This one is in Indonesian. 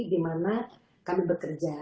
dimana kami bekerja